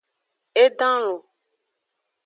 E dan lon.